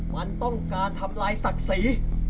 มันต้องการทำลายศักดิ์ศรี